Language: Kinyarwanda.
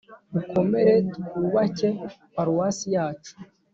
ukomere twubake paruwasi yacu